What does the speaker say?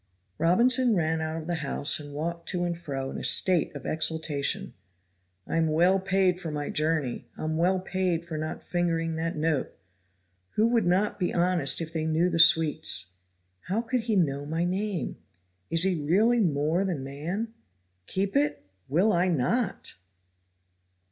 Robinson ran out of the house, and walked to and fro in a state of exaltation. "I'm well paid for my journey; I'm well paid for not fingering that note! Who would not be honest if they knew the sweets? How could he know my name? is he really more than man? Keep it? Will I not!"